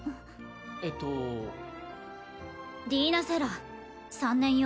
えっとディーナ＝セラ３年よ